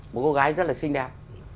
một cô gái rất là xinh đẹp